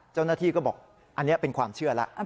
เจ้าหน้าที่ก็บอกอันนี้เป็นความเชื่อแล้ว